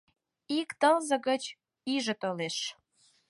Ик тылзе гыч иже толеш.